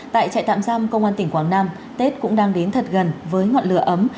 tại trại tạm giam công an tỉnh quảng nam tết cũng đang đến thật gần với ngọn lửa ấm